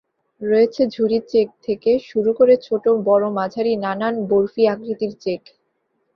রয়েছে ঝুরি চেক থেকে শুরু করে ছোট-বড়-মাঝারি নানান বরফি আকৃতির চেক।